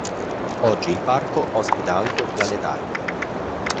Oggi il parco ospita anche un planetario.